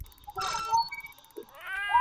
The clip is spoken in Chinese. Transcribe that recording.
户川达安原宇喜多氏家臣。